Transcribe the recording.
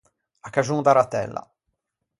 A caxon da rattella.